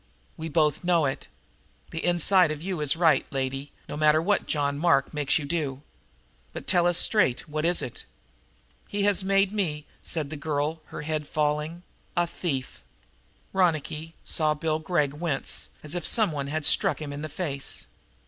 We both know it. The inside of you is right, lady, no matter what John Mark makes you do. But tell us straight, what is it?" "He has made me," said the girl, her head falling, "a thief!" Ronicky saw Bill Gregg wince, as if someone had struck him in the face.